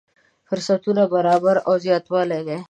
فرصتونو برابري زياتوالی دی.